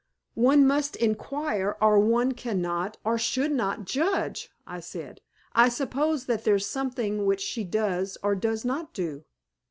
"One must inquire, or one cannot, or should not, judge," I said. "I suppose that there's something which she does, or does not, do?"